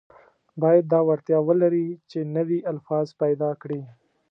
باید دا وړتیا ولري چې نوي الفاظ پیدا کړي.